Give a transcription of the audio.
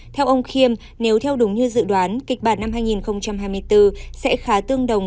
theo ông khiêm nếu theo đúng như dự đoán kịch bản năm hai nghìn hai mươi bốn sẽ khá tương đồng